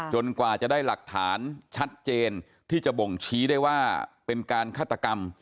กว่าจะได้หลักฐานชัดเจนที่จะบ่งชี้ได้ว่าเป็นการฆาตกรรม